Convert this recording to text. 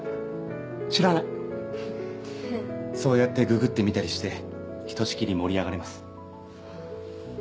知らないそうやってググってみたりしてひとしきり盛り上がれます